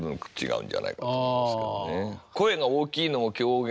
うん。